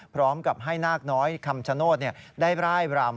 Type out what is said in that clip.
พร้อมกับให้นาคน้อยคำชโนธได้ร่ายรำ